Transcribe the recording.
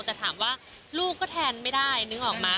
แต่ถามว่าลูกก็แทนไม่ได้นึกออกมา